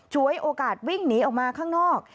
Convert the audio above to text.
วยโอกาสวิ่งหนีออกมาข้างนอก